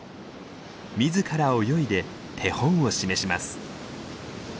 自ら泳いで手本を示します。